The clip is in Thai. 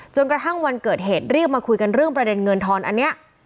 จนกระทั่งวันเกิดเหตุรีบมาคุยกันเรื่องประเด็นเงินทอนอันนี้